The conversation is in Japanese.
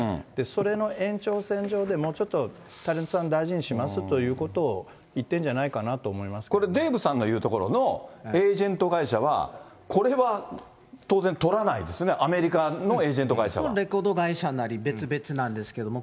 それの延長線上で、もうちょっとタレントさん大事にしますということを言ってるんじこれ、デーブさんの言うところの、エージェント会社は、これは当然取らないですよね、レコード会社なり、別々なんですけども。